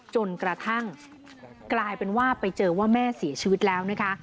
จนกระทั่งกลายเป็นว่าไปเจอว่าแม่เสียชีวิตแล้วนะคะ